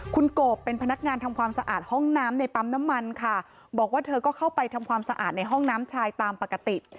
คุณกบเป็นพนักงานทำความสะอาดห้องน้ำในปั๊มน้ำมันค่ะบอกว่าเธอก็เข้าไปทำความสะอาดในห้องน้ำชายตามปกติ